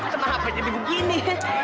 sama hp jadi begini